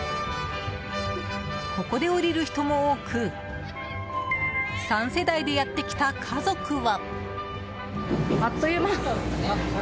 ここで降りる人も多く３世代でやってきた家族は。